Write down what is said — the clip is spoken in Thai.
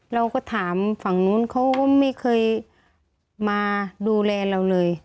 เราก็ถามฝั่งนู้นเขาก็ไม่เคยมาดูแลเราเลย